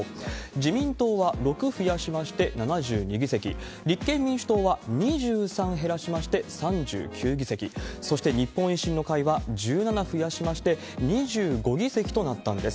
自民党は６増やしまして７２議席、立憲民主党は２３減らしまして３９議席、そして日本維新の会は１７増やしまして２５議席となったんです。